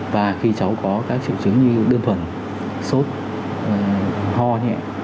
và khi cháu có các triệu chứng như đơn thuần sốt ho nhẹ